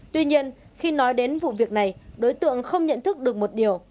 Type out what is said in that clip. tuy nhiên khi nói đến vụ việc này đối tượng không nhận thức được một điều